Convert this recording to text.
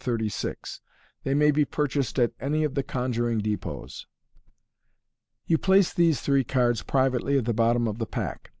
36. They may be purchased at any of the conjuring depots. You place these three cards privately at the bottom of the pack.